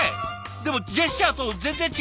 でもジェスチャーと全然違わない？